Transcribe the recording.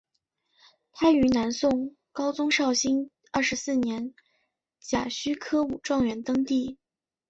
他于南宋高宗绍兴二十四年甲戌科武状元登第。